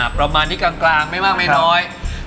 ประมาณนี้กลางไม่มากไม่น้อย